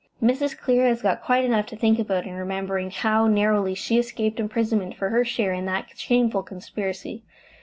"Mrs. Clear has got quite enough to think about in remembering how narrowly she escaped imprisonment for her share in that shameful conspiracy.